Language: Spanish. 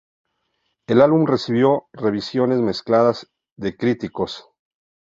El álbum recibió revisiones mezcladas de críticos.